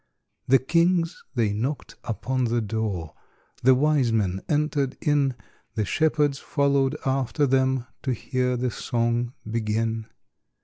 The kings they knocked upon the door, The wise men entered in, The shepherds followed after them To hear the song begin.